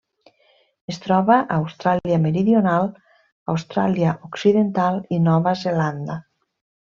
Es troba a Austràlia Meridional, Austràlia Occidental i Nova Zelanda.